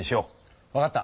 わかった。